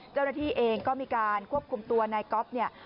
เจ้าหน้าที่เองก็มีการควบคุมตัวนายก๊อฟเนี่ย